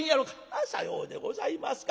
「あっさようでございますか。